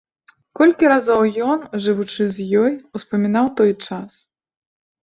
Колькі разоў ён, жывучы з ёю, успамінаў той час.